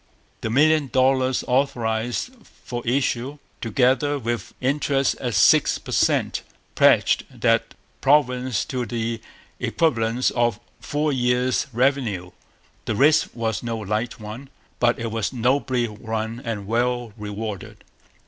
The million dollars authorized for issue, together with interest at six per cent, pledged that province to the equivalent of four years' revenue. The risk was no light one. But it was nobly run and well rewarded.